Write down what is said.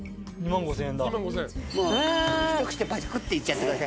一口でぱくっていっちゃってください。